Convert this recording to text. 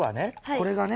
これがね